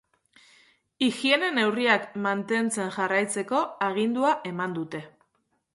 Higiene neurriak mantentzen jarraitzeko agindua eman dute.